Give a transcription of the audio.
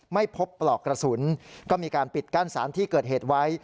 ไม่พบปลอกกระสุนก็มีการปิดกั้นสารที่เกิดเหตุไว้